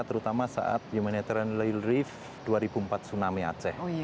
terutama saat humanitarian relief dua ribu empat tsunami aceh